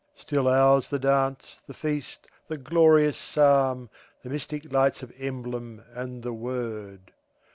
Still ours the dance, the feast, the glorious Psalm, The mystic lights of emblem, and the Word.